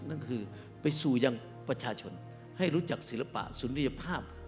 นั่นคือไปสู่ยังประชาชนให้รู้จักศิลปะสุริยภาพ